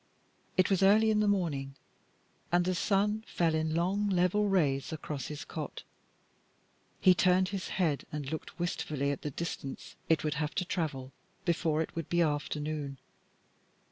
It was early in the morning, and the sun fell in long, level rays across his cot. He turned his head and looked wistfully at the distance it would have to travel before it would be afternoon.